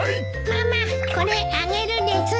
ママこれあげるです。